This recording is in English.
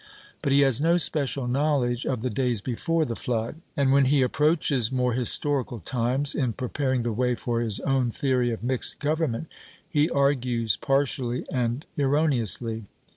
But he has no special knowledge of 'the days before the flood'; and when he approaches more historical times, in preparing the way for his own theory of mixed government, he argues partially and erroneously.